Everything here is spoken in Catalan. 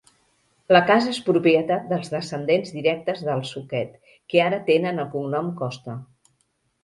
La casa és propietat dels descendents directes dels Suquet, que ara tenen el cognom Costa.